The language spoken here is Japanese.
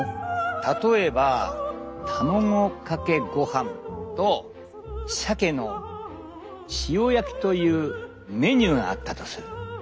例えば卵かけごはんとさけの塩焼きというメニューがあったとする。